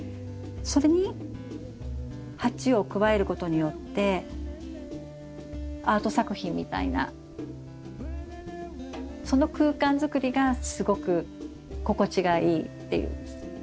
それに鉢を加えることによってアート作品みたいなその空間づくりがすごく心地がいいっていう。